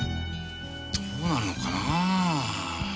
どうなるのかな？